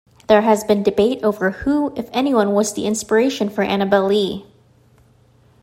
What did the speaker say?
There has been debate over who, if anyone, was the inspiration for "Annabel Lee".